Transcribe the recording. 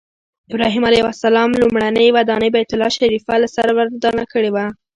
ابراهیم علیه السلام لومړنۍ ودانۍ بیت الله شریفه له سره ودانه کړې وه.